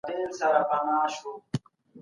د انسان درناوی د اسلامي شريعت يوه برخه ده.